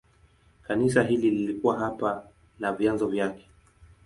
Kanisa hili lilikuwa hapa na vyanzo vyake.